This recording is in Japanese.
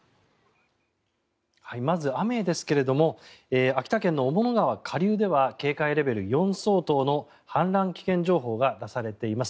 まず、雨ですけれども秋田県の雄物川下流では警戒レベル４相当の氾濫危険情報が出されています。